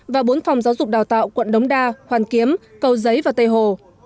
và bốn phòng giáo dục đào tạo quận đống đa hoàn kiếm cầu giấy và tây hồ